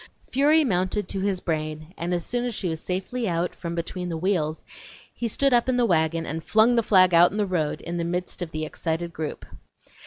Fury mounted to his brain, and as soon as she was safely out from between the wheels he stood up in the wagon and flung the flag out in the road in the midst of the excited group.